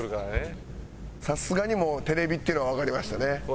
さすがにテレビっていうのはわかりましたね。